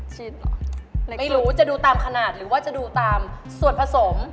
ชิ้นเหรอไม่รู้จะดูตามขนาดหรือว่าจะดูตามส่วนผสม